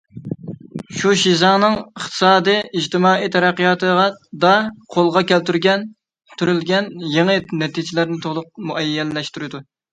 ئۇ شىزاڭنىڭ ئىقتىسادى ئىجتىمائىي تەرەققىياتىدا قولغا كەلتۈرۈلگەن يېڭى نەتىجىلەرنى تولۇق مۇئەييەنلەشتۈردى.